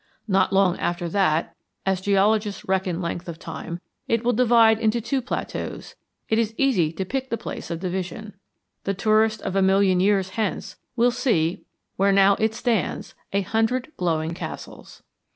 Not long after that, as geologists reckon length of time, it will divide into two plateaus; it is easy to pick the place of division. The tourist of a million years hence will see, where now it stands, a hundred glowing castles.